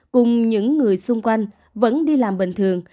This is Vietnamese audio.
cùng những người xung quanh vẫn đi làm bình thường